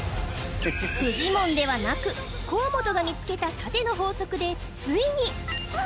フジモンではなく河本が見つけた縦の法則でついに！